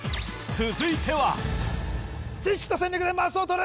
続いては知識と戦略でマスを取れ！